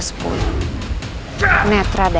dia akan cari yang akan menang kena dia